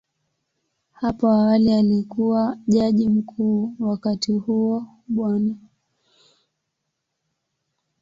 Hapo awali alikuwa Jaji Mkuu, wakati huo Bw.